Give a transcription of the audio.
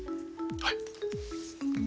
はい。